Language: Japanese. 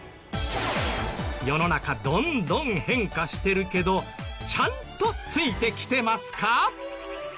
世の中どんどん変化してるけどちゃんとついてきてますか？